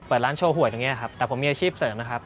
ร้านโชว์หวยตรงนี้ครับแต่ผมมีอาชีพเสริมนะครับ